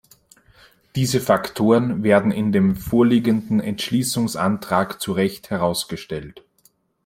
Diese Faktoren werden in dem vorliegenden Entschließungsantrag zu Recht herausgestellt.